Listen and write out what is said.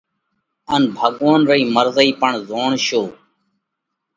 ان ڀڳوونَ رئِي مرضئِي پڻ زوڻشو۔